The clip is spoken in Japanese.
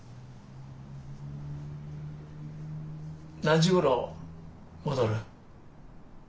何時頃戻る？